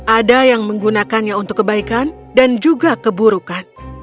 ada yang menggunakannya untuk kebaikan dan juga keburukan